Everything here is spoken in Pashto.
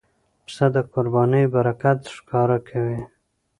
پسه د قربانۍ برکت ښکاره کوي.